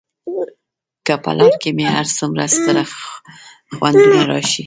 که په لار کې مې هر څومره ستر خنډونه راشي.